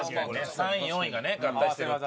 ３位４位がね合体してるっていう。